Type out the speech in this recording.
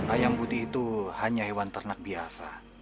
ayam putih itu hanya hewan ternak biasa